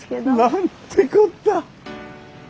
何てこった！